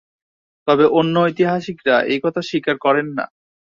তবে অন্য ঐতিহাসিকরা এই কথা স্বীকার করেন না।